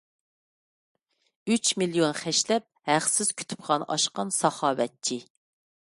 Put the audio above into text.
ئۈچ مىليون خەجلەپ ھەقسىز كۇتۇپخانا ئاچقان ساخاۋەتچى.